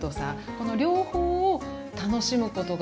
この両方を楽しむことができる。